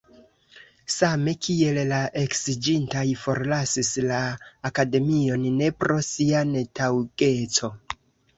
Same kiel la eksiĝintaj forlasis la akademion ne pro sia netaŭgeco.